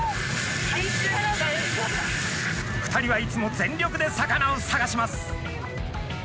２人はいつも全力で魚を探します。